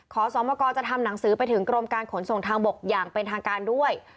ขอสมกรจะทำหนังสือไปถึงกรมการขนส่งทางบกอย่างเป็นทางการด้วย